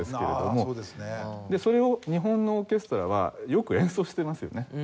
でそれを日本のオーケストラはよく演奏していますよね。